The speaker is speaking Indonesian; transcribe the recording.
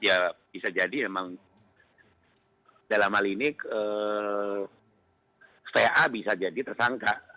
ya bisa jadi memang dalam hal ini va bisa jadi tersangka